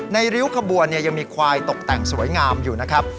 ริ้วขบวนยังมีควายตกแต่งสวยงามอยู่นะครับ